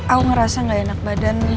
aku ngerasa gak enak badan